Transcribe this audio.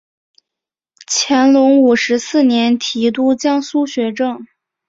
乾隆五十四年提督江苏学政。